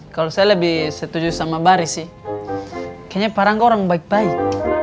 kalau saya lebih setuju sama baris sih kayaknya paranggu orang baik baik